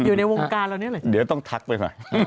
อยู่ในวงการเหรอจริงไหมจริงมั้ยเดี๋ยวต้องทักเว้ย